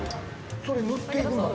それを塗っていくのは。